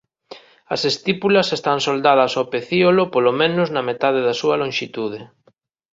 As estípulas están soldadas ao pecíolo polo menos na metade da súa lonxitude.